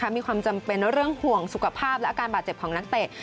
มีความจำเป็นเรื่องห่วงสุขภาพและอาการบาดเจ็บของนักเตะ